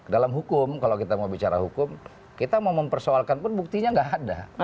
dalam hukum kalau kita mau bicara hukum kita mau mempersoalkan pun buktinya nggak ada